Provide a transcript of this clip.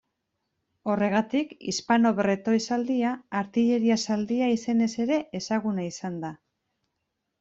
Horregatik Hispano-Bretoi zaldia artilleria zaldia izenez ere ezaguna izan da.